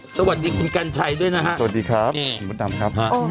สวัสดีคุณกัญชัยด้วยนะฮะสวัสดีครับคุณมดดำครับฮะ